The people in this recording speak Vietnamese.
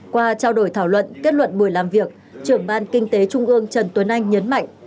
qua trao đổi thảo luận kết luận buổi làm việc trưởng ban kinh tế trung ương trần tuấn anh nhấn mạnh